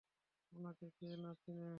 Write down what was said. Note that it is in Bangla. উনাকে কে না চিনে?